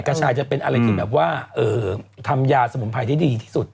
กระชายจะเป็นอะไรที่แบบว่าทำยาสมุนไพรที่ดีที่สุด